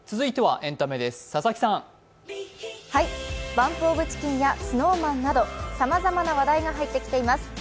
ＢＵＭＰＯＦＣＨＩＣＫＥＮやＳｎｏｗＭａｎなどさまざまな話題が入ってきています。